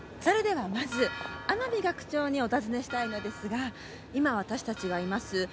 それではまず天海学長にお尋ねしたいのですが今私たちがいます